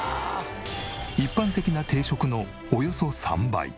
一般的な定食のおよそ３倍。